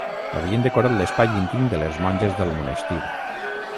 Havien decorat l’espai íntim de les monges del monestir.